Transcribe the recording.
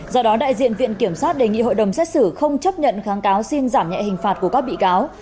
do đó đại diện viện kiểm sát đề nghị hội đồng xét xử không chấp nhận kháng cáo xin giảm nhẹ hình phạt của các bị cáo